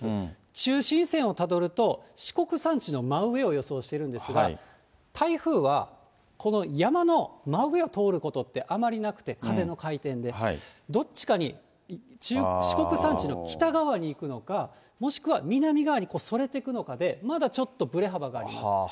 中心線をたどると、四国山地の真上を予想されているんですが、台風はこの山の真上を通ることってあまりなくて、風の回転で、どっちかに、四国山地の北側に行くのか、もしくは南側にそれていくのかで、まだちょっとぶれ幅があります。